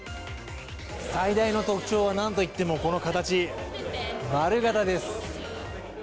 最大の特徴はなんといってもこの形、丸形です。